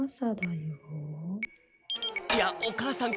いやおかあさん